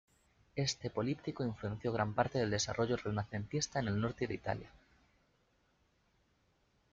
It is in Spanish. Este políptico influenció gran parte del desarrollo Renacentista en el norte de Italia.